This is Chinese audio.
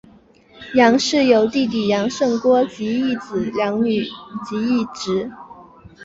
杨氏有弟弟杨圣敦及一子两女及一侄。